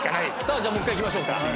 じゃあもう１回行きましょうか。